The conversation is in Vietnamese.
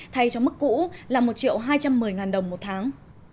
thay cho mức cũ là một triệu hai trăm một mươi đồng một tháng